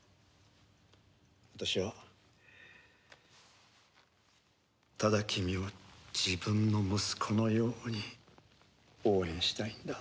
私はただ君を自分の息子のように応援したいんだ。